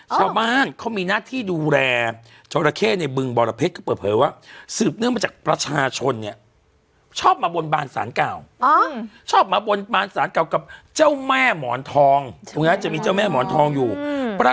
ชาวบ้านเขามีหน้าที่ดูแลจราเชษฐ์ในบึงบรเพชร